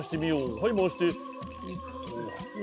はい回して。